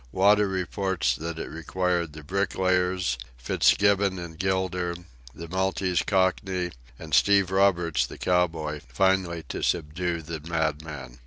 Wada reports that it required the bricklayers, Fitzgibbon and Gilder, the Maltese Cockney, and Steve Roberts, the cowboy, finally to subdue the madman.